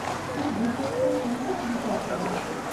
Tizlit-a tettwassen mliḥ deg Japun.